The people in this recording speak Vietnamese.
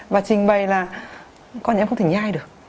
và trình bày là con em không thể nhai được